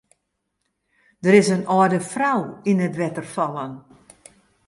Der is in âlde frou yn it wetter fallen.